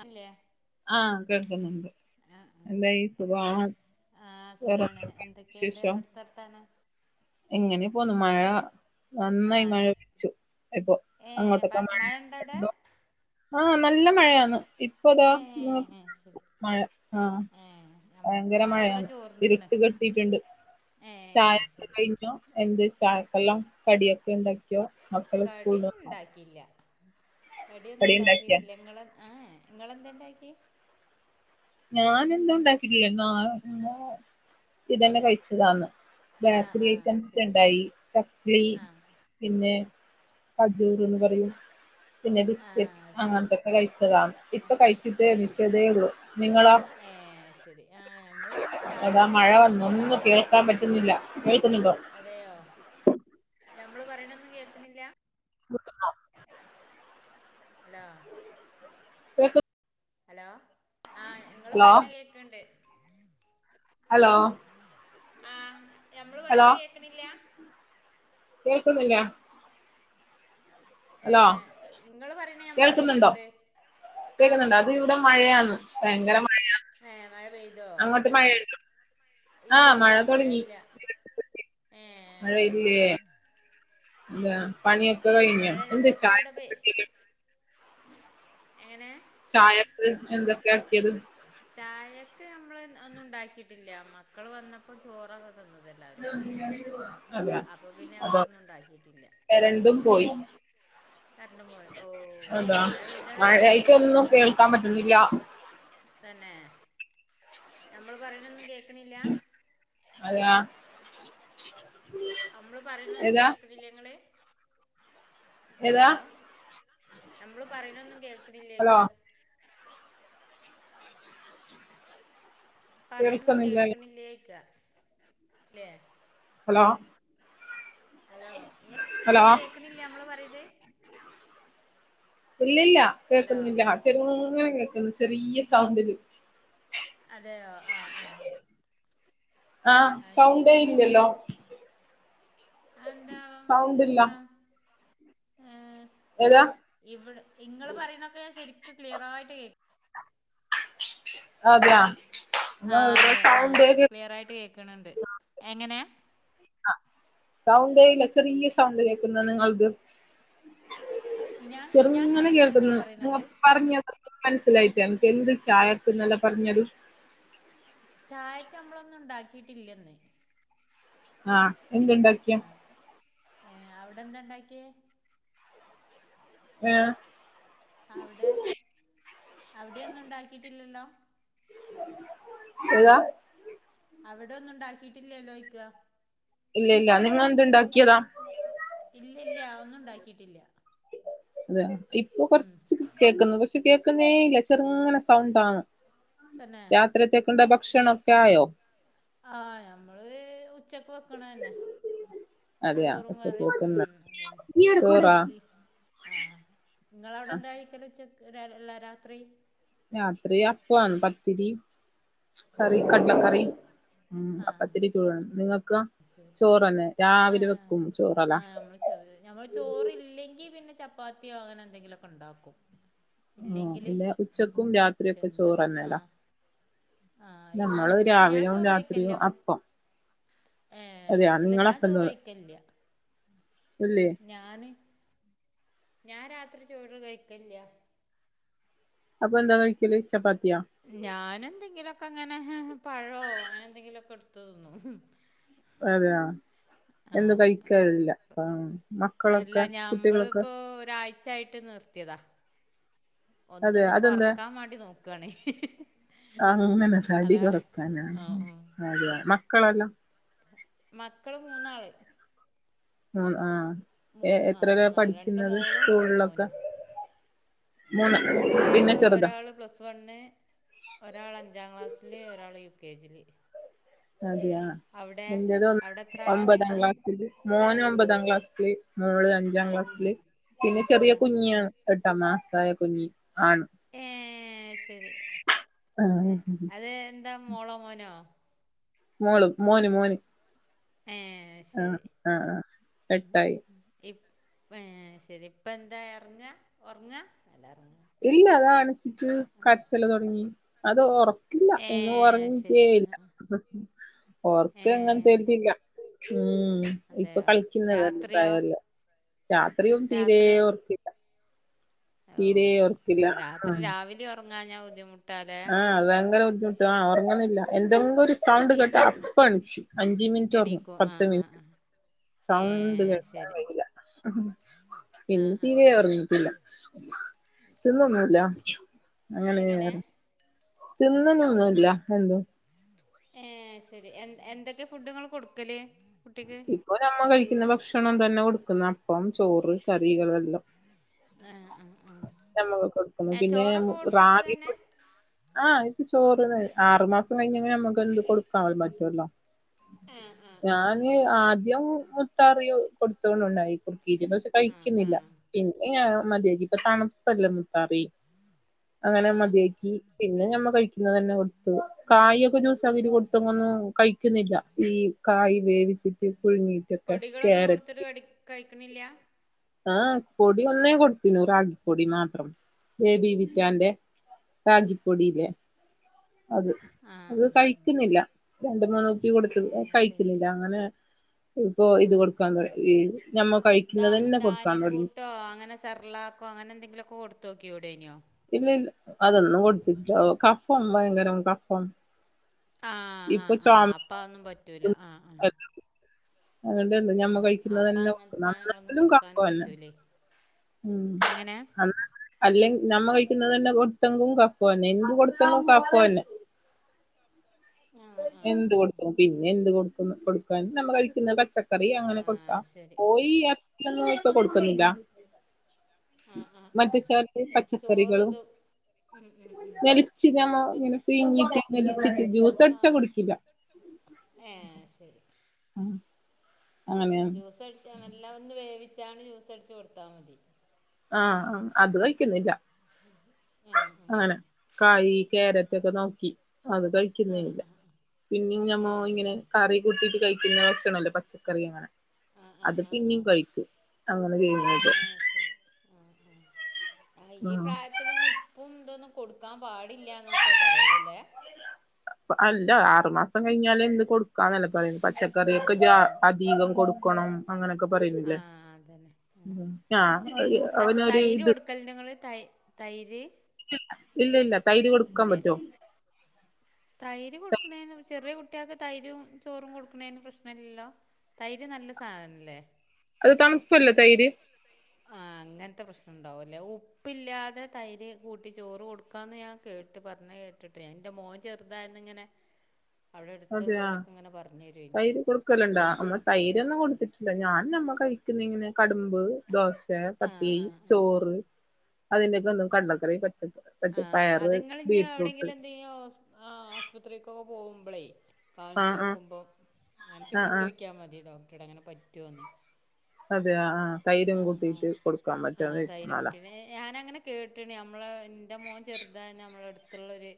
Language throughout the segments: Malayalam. ആള് ഇല്ലേ ആഹ് കേൾക്കുന്നുണ്ട് എന്തായി സുഖണോ ആഹ് ആഹ് വേറെ സുഖാണ് എന്തൊക്കെട്ട് എന്തൊക്കെയുണ്ട് വിശേഷം അവിടുത്തെ വർത്താനം എങ്ങനെ പോന്നു മഴ നന്നായി മഴ ആഹ് വെച്ചു ഇപ്പ അങ്ങോട്ടൊക്കെ ഏഹ് മഴ ഇണ്ട അവിടെ ഇടോ ആഹ് നല്ല മഴയാണ് ഇപ്പൊതാ ഏഹ് ശരി മഴ ആഗ് ഏഹ് നമ്മുക്ക് ഭയങ്കര മഴ ഇവിടെ മഴയാണ് ചോർന്ന്ക്ക്ണ് ഇരുട്ട് കെട്ടിയിട്ടുണ്ട് ഏഹ് ചായയൊക്കെ ശരി കഴിഞ്ഞോ എന്ത് ചായക്കെല്ലാം കടിയൊക്കെ ഉണ്ടാക്കി മക്കള് സ്കൂള്ന്ന് വന്നോ ഉണ്ടാക്കിയില്ല കടിയൊന്നും കടി ഉണ്ടാക്കിയാ ഉണ്ടാക്കിട്ടില്ല ഇങ്ങള് ആ ഇങ്ങളെന്തോണ്ടാക്കി ഞാന് ഒന്നും ഉണ്ടാക്കില്ല ഇതന്നെ കഴിച്ചതാന്ന് ആഹ് ബേക്കറി ആഹ് ഐറ്റംസ് ശരി ഉണ്ടായി. [unintelligible] ആഹ് പിന്നെ അജൂറ് എന്ന് പറയും. പിന്നെ ബിസ്കറ്റ് ആഹ് ശരി അങ്ങനത്തൊക്കെ കഴിച്ചതാ. ആഹ് ആഹ് ഇപ്പകഴിച്ചിട്ട് ആഹ് ആഹ് ഏണിറ്റതെ ഒള്ളു. നിങ്ങളാ, ഏഹ് ശരി ആഹ് നമ്മളിന്ന് ചായ അതാ മഴ വന്നു ഇണ്ടാക്കിയിട്ടില്ല ഒന്നും കേൾക്കാൻ പറ്റുന്നില്ല. [unintelligible] ന്നുണ്ടോ? അതെയോ, ഞമ്മള് പറയണ ഒന്നും കേൾക്കുന്നില്ല? [unintelligible] അലോ [unintelligible] ഹലോ ആഹ ഇങ്ങള് ഹലോ പറയണ കേക്കണ്ട്. ഹലോ ആഹ ഞമ്മള് പറയുന്ന കേക്കണില്ല? കേൾക്കുന്നില്ല. ഏഹ് ഇങ്ങള് പറയണേ ഞമ്മള് കേക്കണ്ട്. ആ കേക്കന്നോണ്ട. അത് കേക്കണ്ട് ഇവിടെ മഴയാണ്. ഭയങ്കര മഴയാണ്. ഏ മഴ പെയ്തോ. ആഹ് ഇല്ലില്ല മഴ തുടങ്ങി മഴയില്ല. ഏഹ് ശരി. ബ പണിയൊക്ക ഏ കഴിഞ്ഞോ? മഴ എന്താ ഞമ്മക്ക് ഇവിടെ പെയ് ചായകൊക്കെ [unintelligible] എങ്ങനെ? ചായക്ക് എന്തൊക്കെയ ആക്കിയത്? ചായക്ക് ഞമ്മള് ഒന്നും ഉണ്ടാക്കിട്ടില്ല. മക്കള് വന്നപ്പോ ചോറാ കൊ [unintelligible] ല്ലാ. [unintelligible] അപ്പൊ പിന്നെ അതോ ഞങ്ങളൊന്നു ണ്ടാക്കിട്ടില്ല കരണ്ടും ആഹ. പോയി കറണ്ടു പോയൊ. ഓ അതാ മഴ പെയ്താ കറണ്ട് പോവോ. മഴയായിട്ടൊന്നും കേൾക്കാൻ പറ്റുന്നില്ല തന്നെ ഞമ്മള് പറയണൊന്നും കേക്കണില്ല? [unintelligible] നമ്മള് പറിണൊന്നും ഏതാ കേൾക്ണ്ല്ല്യങ്ങള്, ഏതാ ഹലോ. നമ്മള് പറിണതോന്നും ഹലോ കേൾക്ണില്ലേക്ക്യ. കേൾക്കുന്നില്ലല്ലോ പറീണത്കേൾണില്ലേയ് ക്ക ല്ലെ. ഹലോ. ഹലോ ങ്ങള് ങ്ങള് ഹലോ കേക്ണില്ല്യ നമ്മള് പറീണത്. ഇല്ലില്ല കേക്കുന്നില്ല. ചെറങ്ങനെ കേൾക്കുന്നു ചെറിയ സൗണ്ടില്. അതെയോ ആഹ് ആഹ്. ആഹ സൗണ്ടേ ഇല്ല്യല്ലോ. അത് എന്താവോ സൗണ്ടില്ല പ്രശ്നം. ഏ ഏതാ. ഇവിടെ ഇങ്ങള് പറയണൊക്കെ ഞാൻ ശരിക് ക്ലിയറായിട്ട് കേ അതെയാ ആഹ് അതെ ആ സൗണ്ടേ കേ ക്ലിയറായിട്ട് കേക്കണണ്ട്. എങ്ങനെ? ആ സൗണ്ടേ ഇല്ല. ചെറിയ സൗണ്ട് കേക്കുന്നു നിങ്ങള്ത്. ഞാൻ ഞാൻ ചെറുങ്ങനെ കേക്കണ്ട് നിങ്ങള് കേൾക്കുന്നു മുവ പറയണത് പറഞ്ഞത്. പ്പൊ മനസ്സിലായിട്ടേ എന്ത് ചായക് ന്നല്ല പറഞ്ഞത്. ചായൊക് മ്മളൊന്നും ണ്ടാക്കിട്ടില്ലെന്ന്. ആഹ എന്തുണ്ട്. ആ ഏഹ് അവിടെന്താണ്ടാക്കിയേ? വ്യ അവിടെ അവിടൊന്നും ണ്ടാക്കിട്ടില്ലല്ലോ? ഏതാ അവിടെ ഒന്നുണ്ടാക്കിട്ടില്ലല്ലോയ്ക.. ഇല്ല ഇല്ല നിങ്ങെന്തുണ്ടാക്കിയതാ.? ഇല്ല്യ ല്ല്ഒന്നുണ്ടാക്കിട്ടില്ല.. അതെ ഇപ്പൊ കൊറച്ച് കേക്കുന്നു പഷെ കേക്കുന്നേയില്ല ചെറുങ്ങനെ സൗണ്ട ആണ്.. തന്നെ രാത്രിത്തേകു ണ്ട ഭക്ഷണോക്കെ ആയോ.. ആഹ ഞങ്ങള് ഉച്ചക്ക് വെക്കണന്നെ.. അതെയ ചോറും ഉച്ചക്ക് കറിം വെക്കുന്ന മ്മ്ഹ് അതന്നെ ചോറാ നമ്മള് ബീ ആഹ് നിങ്ങളവിടെന്താ കഴികല് ഉച്ചക്ക് രാല്ല രാത്രി.. രാത്രി അപ്പോം ആണ് പത്തിരി.. കറി ആഹ് ആഹ് കട്ല ആഹ് കറി മ്മ് ആഹ് അപ്പത്തിരി ചൂവാണ് നിങ്ങകൊ.. ശരി ചോറന്നെ രാവിലെ ആഹ് വെക്കും ശ ആഹ് ചോറലസ്.. ഞമ്മള് ചൊവ് നമ്മള് ചോറില്ലെങ്കി പിന്നെ ചപ്പാത്തിയോ അങ്ങനെ എന്തെങ്കിലുക്കെണ്ടാക്കും.. ഇല്ലെങ്കില് പിന്നെ ഉച്ചക്കും പഷെ രാത്രിയൊക്കെ ന്ന്പ്പോ ചോറന്നെല്ല ആഹ്‌.. ആഹ് നമ്മള് ഇന്ന്ണ്ട് പഷെ ഞാൻ രാവിലെയും ചോറ് രാത്രിയും കഴിക്കല്ല്യ കു അപ്പം ഏ അതെയാ ശരി എല്ല ഞാൻ നിങ്ങളപ്പം ചോറ് കഴിക്കലില്യ കല്യാ.. ഇല്ലയോ.. ഞാന് ഞാരാത്രി ചോറ് കഴിക്കലില്ല്യ അപ്പവെന്താ കഴിക്കല് ചപ്പാത്തിയൊ.. ഞാനന്തെങ്കിലുക്കെങ്ങനെ ഹ്ഹ് പഴോ അങ്ങനെ എന്തെങ്കിലുമൊക്കെ എടുത്ത് തിന്നു.. അതെയാ എന്ത് ആഹ്‌ കഴിക്കാറില്ല അയപ്പ് ആഹ് അല്ല മക്കളൊക്കെ കുട്ടികളൊക്കെ ഞമ്മളിപ്പോ ഒരാഴ് ചായിട്ട് നിർത്തിയതാ അതെ ഒന്നൊന്ന് കൊറക്കാൻ മാണ്ടി നോക്കാണേ.. അഹങ്ങനെ തടി കൊറക്കാന ആ മ്മ് ഉം. മക്കളെല്ലാം.. മക്കള് മൂന്നാള്.. മ്മ് ആ മൂ എ ആ എത്രലാ മൂന്നാള് രണ്ട് പഠിക്കുന്നത് മോളും സ്കൂളൊക്കെ.. സ്കൂളിലെ ഒരാള് പ്ലസ് വൺ ഒരാൾ അഞ്ചാംക്ലാസ്സില് ഒരാള് യുകെജില്.. അതെയാ.. അവ്ടെ അവ്ടെ.. ഒമ്പതാംക്ലാസ്സില് മോന് ഒമ്പതാം ക്ലാസ്സി മോള് ആ അഞ്ചാംക്ലാസ്സില് പിന്നെ ആ ചെറിയ കുഞ്ഞിയാ എട്ടാം മാസായ കുഞ്ഞി ആണ് ഏഹ് ശെരി ആഹ് അത് എന്താ മോളോ മോനോ? മോളും മോന് മോന് ഏഹ് ശെരി ആഹ് ആഹ് ആഹ് എട്ടായി ഇ ഏഹ് ശെരി ഇപ്പന്താ എറ്ങ്ങാ ഒറ്ങ്ങാ അല്ല എർങ്ങ ഇതല്ലതാണ്ച്ചി കരച്ചെല്ലതൊട്ങ്ങി അത് ഒറക്കില്ല ഇന്നു ഏഹ് ശരി ഒറങ്ങിറ്റെയില്ല. ആഹ് ആഹ് ഓർക്ക് ഏഹ് അങ്ങൻത്തെര്തില്ല ഉം ഇപ്പൊ അതെയോ കളിക്കുന്നത് രാത്രിയോ പ്രായല്ലെ രാത്രിയും തീരെ രാത്രിയോ ഒറ്ക്കി ഓർക്കില്ല ഓഹ് രാത്രി ആഹ് രാവലിയൊർങ്ങാഞ്ഞ ബുദ്ധിമുട് ആഹ് ഭയങ്കര ബുദ്ധിമുട്ട ആഹ് ഒറങ്ങ് ണ്ല്ല എന്തെങ്കൊരു സൗണ്ട്കേട്ട അപ്പെൺച് അഞ്ച്മിൻറ്റൊറ്ങ്ങും എണീക്കും പത്ത് ആഹ് മിൻ ആഹ് ആഹ് സൗണ്ട് ഏഹ് ശരി കേൾക്കാകഴിയ്യൂല്ലാ ആഹ് ഇന്ന്പ്പി ആഹ് ഒർന്ന്ട്ടില്ല തിന്നൊന്നുമില്ല അങ്ങനെയ എങ്ങനെ തിന്ന്ണൊന്നുംല്ലാ എന്തും ഏഹ് ശെരി എന്ത എന്തൊക്കെ ഫുഡ്ങ്ങള് കൊടുക്കല് കുട്ടിക്ക് ഇപ്പൊ നമ്മകഴിക്കുന്ന ഭക്ഷണംതന്നെ കൊടുക്കുന്ന അപ്പം ചോറ് കറികളു എല്ലാം ആഹ് ആഹ് ആഹ് നമ്മക്ക് കൊട്ക്കണം ഏഹ് പിന്നെ ചോറൊക്കെ കൊടുക്കും ഇപ്പ റാഗിപൊ തന്നെ ആഹ് ഇപ്പ ചോറ്ന്ന് ആറ്മാസം കഴിഞ്ഞയ്ഞ്ഞ മ്മക്ക് എന്തു കൊടുക്കാപറ്റുവല്ലോ ആഹ്ആഹ് ആഹ് ആഹ് ശരി ആദ്യം മുത്താറി കൊടുത്തുകൊണ്ടുണ്ടായി കുക്കീത്ക്ഷെ ആഹ് കഴിക്കുന്നില്ല. ആഹ് പിന്നെഞാമതിയാക്കി ഇപ്പതണുപ്പല്ലെ മുത്താറി.. അങ്ങനെ ആഹ് മത്യാക്കി പിന്നെ ഞമ്മ കഴിക്കുന്നതന്നെ കൊടുത്ത് കായൊക്കെ ജൂസകിട്ട് കൊടുത്ത്ങ്ങൊന്നും കഴിക്കുന്നില്ല ഈ കായിവേവിച്ചിട്ട് പുഴുങ്ങിട്ട് പൊടികളൊന്നും കൊട്ത്തിട്ട് കടി കഴിക്ണില്ല്യ ആഹ് പൊടി ഒന്നേകൊട്ത്തിനു റാഗിപ്പൊടി മാത്രം ബേബി വിറ്റാന്റെ റാഗിപൊടി ല്ലെ അത് ആഹ് അത് ആഹ് ആഹ് കഴിക്ക്ന്നില്ല രണ്ട് മൂന്ന് കുപ്പി കൊടുത്ത് ഏഹ് ശരി കഴിക്കുന്നില്ല അങ്ങനെ ഇപ്പൊ ആഹ് ആഹ് ഇത്കൊട്ക്കാന്തൊട്ങ്ങി ഞമ്മ കഴിക്കുന്നതന്നെ കൊട്ക്കാന്തൊട്ങ്ങി ഓഹ് അങ്ങനെ സെർല്ല ർക്കൊ അങ്ങനെന്തെങ്കിലൊക്ക കൊട് തൊക്ക്യുടെനിയോ ഇല്ല ഇല്ല അതൊന്നും കൊടുത്തില്ല കഫം ഭയങ്കരം കഫം ആഹ് ഇപ്പൊ ആഹ് ആഹ് ചുമ അപ്പഅന്നും പറ്റൂല ആഹ് ആഹ് [unintelligible] ആഹ് കഴിക്കുന്നത് തന്നെ അപ്പങ്ങൻത്തെ സാധനങ്ങളൊന്നും നന്നായാലും കഫം കൊടുക്കാനും തന്നെ പറ്റൂല്ലേ എങ്ങനെ അല്ലെങ്ക നമ്മ കഴിക്കുന്നതന്നെ കൊടുത്തെങ്കും കഫൊന്നെ എന്ത് കൊടുത്തെങ്കും കഫന്നെ ആഹ് ആഹ് എന്ത് ആഹ് ആഹ് കൊടുക്കും പിന്നെ എന്ത് കൊടുക്കുന്ന് കൊടുക്കാന് നമ്മ കഴിക്കുന്ന പച്ച ചക്കറി അങ്ങനെ കൊട്ക്കാ ആഹ് ശരി കോയി എർച്ചിനൊന്നുംപ്പൊ കൊടുക്കുന്നില്ല ആഹ് ആഹ് മറ്റ ആഹ് ചർ ചോറ് പച്ചക്കറികളും ഇത് ഉം ഉം ഉം നെല്ച്ച്‌ ഞമ്മ ഉപ്പ് ഇങ്ങനെ പീങ്ങിട്ട് നെല്ച്ചിട്ട് ജ്യൂസട്‌ച്ച്‌ ആഹ് ഏഹ് ശെരി ഉം ആഹ് ജ്യൂസട്ച്ച മെല്ലെ ഒന്ന് വേവിച്ചാണ്ട് ജ്യൂസട്ച്ച് കൊടുത്താ മതി ആഹ് ആഹ് അത് കഴിക്കുന്നില്ല [unintelligible] അങ്ങനെ കായ് കാരറ്റ് ഒക്കെ ശരി നോക്കി അത് കഴ ആഹ് ആഹ് ആഹ് പിന്നെ ഞമ്മ ഇങ്ങനെ ഏഹ് കറി കൂട്ടിട്ട് കഴിക്കുന്ന ഭക്ഷണല്ലോ പച്ചക്കറി അങ്ങനെ ആഹ് അത് ആഹ് ആഹ് പിന്നെയും ആഹ് കഴിക്കും അങ്ങനെ ചെയ്യ്ന്നുണ്ട് ഏഹ് ആഹ് ആഹ് ആഹ് ഉം ഇപ്രായ ത്തിലൊന്നും ഉപ്പും ഇന്തൊന്നും കൊടുക്കാൻ പാടില്ല എന്നൊക്കെ പറയതല്ലേ അഹ് അല്ല ആറുമാസം കഴിഞ്ഞാല് എന്ത് കൊടു ന്നല്ല പറയുന്നത് പച്ചക്കറിയൊക്കെ ആഹ് ജ ആഹ് അധികം കൊടുക്കണം അങ്ങനെയൊക്കെ പറയുന്നില്ലേ ആഹ് അതന്നെ ഉം ആഹ് അവനൊരു ഇത് കല്ഞ്ഞങ്ങൾ തൈ തൈര് ഇല്ല ഇല്ല തൈര് കൊടുക്കാൻ ഇല്ലേ പറ്റോ തൈര് കൊടുക്കുന്നേന് ചെറിയ കുട്ടിൾക്ക് തൈരും ചോറും കൊടുക്കുന്നേൻ പ്രശ്നം ഇല്ലല്ലോ തൈര് നല്ല സാധനല്ലേ അത് തണുപ്പല്ലേ [unintelligible] തൈര് ആഹ് അങ്ങനത്തെ പ്രശ്നം ഉണ്ടാവുല്ലേ ഉപ്പില്ലാതെ തൈര് കൂട്ടി ചോറ് കൊടുക്കാമന്ന് ഞാൻ കേട്ട് പറഞ്ഞ കേട്ടിട്ട് എൻന്റെ മോൻ ചെറുതായിന്നിങ്ങനെ അവിടെ അടുത്തുള്ളവലൊക്കെ ഇങ്ങനെ പറഞ്ഞു തരുമനി ക്കലുണ്ടാ അമ്മ തൈരന്നും കൊടുത്തിട്ടില്ല ഞാനമ്മ കഴിക്കുന്ന ഇങ്ങനെ കടുമ്പ്, ദോശ, ആഹ് പത്തിരി, ആഹ് ആഹ് ആഹ് ചോറ് അതിന്റെ ഒക്കെ ഒന്നും കടലക്കറി കൊച്ചക്ക ആഹ് അതിങ്ങൾ ഞ് എവിടെയങ്കിലും എന്ത ആശുപത്രിക്കൊക്കെ പോകുമ്പോളേ കാണിച്ച് ആഹ് ആഹ് നോക്കുമ്പോൾ അങ്ങനെ ആഹ് ചോദിച്ചു ആഹ് നോക്കില് മതി ഡോക്ടറോട് അങ്ങനെ പറ്റുമോന്ന് അതെ ആഹ് തൈരും കൂട്ടീട്ട് കൊടുക്കാൻ പറ്റന്ന് നാല ഏഹ് ഞാന അങ്ങനെ കേട്ടണ് നമ്മളെ എന്റെ മോൻ ചെറുതയാന്ന് നമ്മള അടുത്തുള്ളൊരു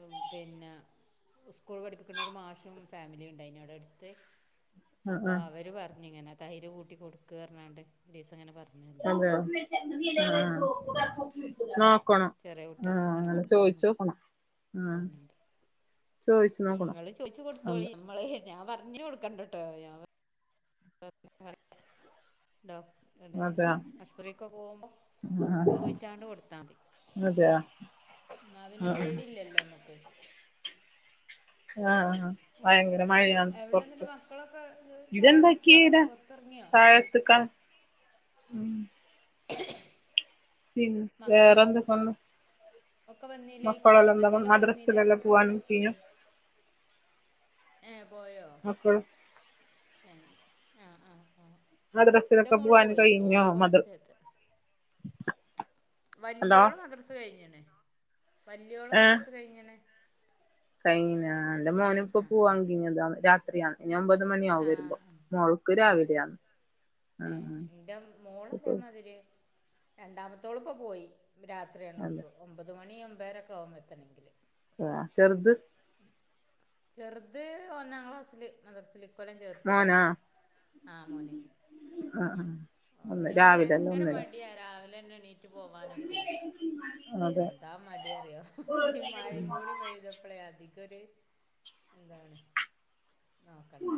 ഉം പിന്നെ സ്കൂൾ പഠിപ്പിക്കുന്ന ഒരു മാഷും ഫാമിലിയും ഉണ്ടായിനി അവിടെ അടുത്ത് ആഹ് അപ്പൊ ആഹ് അവര് പറഞ്ഞിങ്ങനെ തൈര് കൂട്ടി കൊടുക്കു പറഞ്ഞാണ്ട് ഒരീസം അങ്ങനെ പറഞ്ഞ തന്നന് അതെയോ ഉം ആഹ് നോക്കണം ചെറിയ ആഹ് കുട്ടിൾക്ക് ഇങ്ങനെ അങ്ങനെ കൊടുക്കണന്നൊക്ക ചോയിച്ചോക്കണം ആഹ് പറഞ്ഞ്ണ്ട് ചോയിച്ചു നോക്കണം നിങ്ങള് ചോദിച്ചു അതെ കൊടുത്തോളി നമ്മളേ ഞാൻ പറഞ്ഞകൊടുക്കണ്ടിട്ടോ ഞ [unintelligible] ഇണ്ടോ? ഇടേ അതെയാ ആശുപത്രിക്കൊക്കെ പോവുമ്പോൾ ചോയിച്ചാണ്ട് കൊടുത്താമതി അതെയ ന്നാ പിന്നെ പേടില്ലല്ലോമ്മക്ക്. ആഹ് ആ ഭയങ്കര മഴയ. എവിടെ എന്നിട്ട് [unintelligible] മക്കളൊക്കെ ഇത് ചായ കുടിച്ചോ ഇതെന്താക്കിയേത പുറത്തിറങ്ങിയോ പാഴ്ത്തക്ക- ഉം.. പി മക്കള് വേറെ എന്താ [unintelligible] ഒക്കെ വന്നീലേയ്ക്ക മറ്റേവലൊക്കെ വന്നീലേ മദ്രസിലെല്ലാം മക്കളൊക്കെ? പോവാനും കഴിഞ്ഞോ ഏഹ് പോയോ മക്കള് എ ആഹ് ആ ആ ആ. ആ എന്റെ മദ്രാസിലൊക്കെ മോള് പോവൻ പോയി ഓള് കഴിഞ്ഞോ ഇപ്പോ മദ് കൊറച്ചേരത്തെ വല്യോള് മദ്രസ് കഴിഞ്ഞണേ വല്യോള് മദ്രസ് കഴിഞ്ഞണ്. കൈനോ എന്റെ മോന ഇപ്പൊ ആ ആ പോവാങ്കിത രാത്രിയാണ്. നി ഒമ്പത് മണിയാവ ആ വരുമ്പോ ആ മോൾക്ക് രാവിലെയ. ഏഹ് എന്റെ മോള ഇപ്പൊ ആതേമാതിരി- രണ്ടാമത്തോളം ഇപ്പൊ പോയി അല്ല രാത്രിയാണ്പ്പ ഒമ്പത് മണി ഒുമമ്പേരൊക്കെ ആവുമ്പോ എത്തണെങ്കില്. അഹ്ചെറുത്- ചെറുത് ഒന്നാം ക്ലാസ്സില് മദർസില്. ഇകൊല്ലം ചേർത്തതാണ് മോനാ ആ മോനേ. ആഹ് ആഹ് ഒന്ന് രാവിലെന്നെ ഭയങ്കര മൂന്ന്- മടിയാ രാവിലെന്നെ എണീറ്റ് പോവാനൊക്കെ അതെ എന്താ മടീ അറിയോ ഒരു മയേം കൂടി പെയ്തപ്പളെ അതി ക്കൊര് എന്താണ് നോക്കണ്ട.